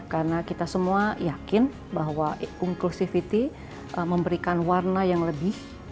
karena kita semua yakin bahwa inclusivity memberikan warna yang lebih